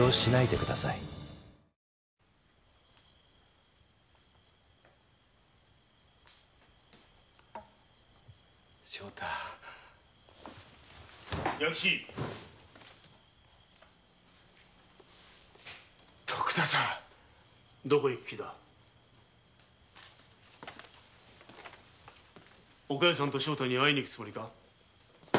お加代さんと正太に会いに行くつもりか？